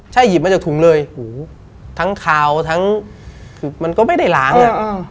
ใช่หยิบมาจากถุงเลยหูทั้งคาวทั้งคือมันก็ไม่ได้ล้างอ่ะ